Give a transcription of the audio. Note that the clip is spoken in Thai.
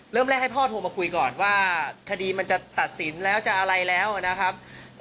เริ่มแรกให้พ่อโทรมาคุยก่อนว่าคดีมันจะตัดสินแล้วจะอะไรแล้วนะครับ